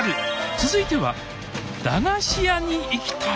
続いては「駄菓子屋に行きたい」